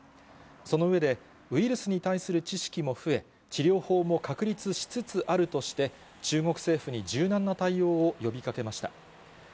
その上で、ウイルスに対する知識も増え、治療法も確立しつつあるとして、中国政府に柔軟な対応を呼びかけました。